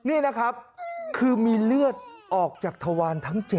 นี่นะครับคือมีเลือดออกจากทวารทั้ง๗